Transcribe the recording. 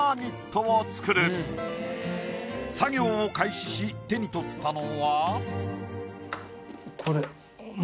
作業を開始し手に取ったのは。